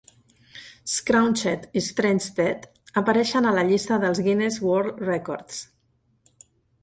"scraunched" i "strengthed" apareixen a la llista dels "Guinness World Records".